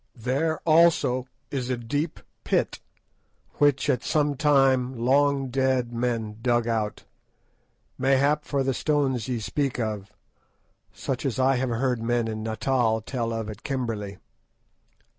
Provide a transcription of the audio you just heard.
There, also, is a deep pit, which, at some time, long dead men dug out, mayhap for the stones ye speak of, such as I have heard men in Natal tell of at Kimberley.